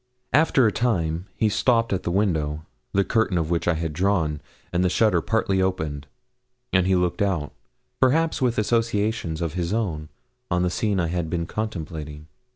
After a time he stopped at the window, the curtain of which I had drawn, and the shutter partly opened, and he looked out, perhaps with associations of his own, on the scene I had been contemplating.